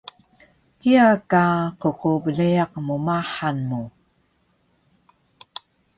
kiya ka qqbleyaq mmahan mu